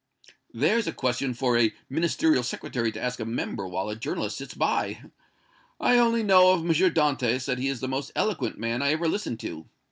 "There's a question for a Ministerial Secretary to ask a member while a journalist sits by! I only know of M. Dantès that he is the most eloquent man I ever listened to.